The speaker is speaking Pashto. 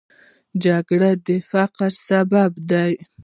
جګړه د فقر سبب ده